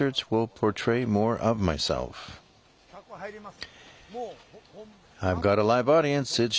客、入ります。